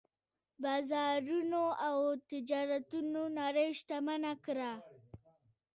بازارونو او تجارتونو نړۍ شتمنه کړه.